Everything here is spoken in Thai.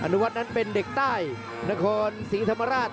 นุวัฒน์นั้นเป็นเด็กใต้นครศรีธรรมราช